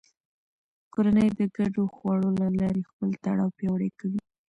کورنۍ د ګډو خواړو له لارې خپل تړاو پیاوړی کوي